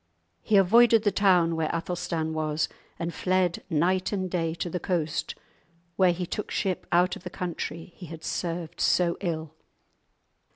He avoided the town where Athelstan was, and fled night and day to the coast, where he took ship out of the country he had served so ill.